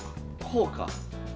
こうか。